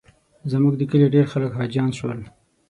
زموږ د کلي ډېر خلک حاجیان شول.